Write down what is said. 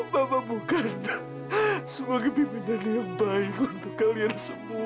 bapak bukan sebagai pimpinan yang baik untuk kalian semua